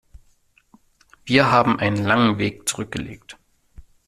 Wir haben einen langen Weg zurückgelegt.